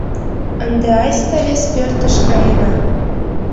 Ынде айста вес пӧртыш каена.